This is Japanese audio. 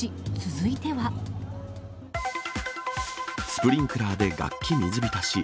スプリンクラーで楽器水浸し。